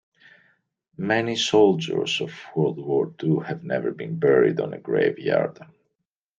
Many soldiers of world war two have never been buried on a grave yard.